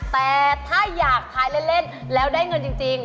แต่ถ้าอยากทายเล่นแล้วได้เงินจริง